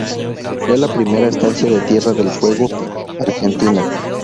Fue la primera estancia de Tierra del Fuego, Argentina.